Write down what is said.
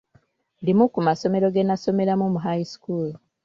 Limu ku masomero ge nnasomeramu mu high school